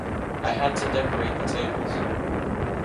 I had to decorate the tables.